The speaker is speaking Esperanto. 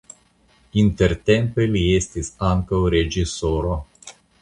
Intertempe li estis ankaŭ reĝisoro.